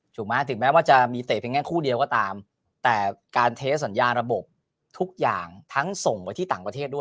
ถึงแม้ว่าจะมีเตะเพียงแค่คู่เดียวก็ตามแต่การเทสัญญาระบบทุกอย่างทั้งส่งไว้ที่ต่างประเทศด้วย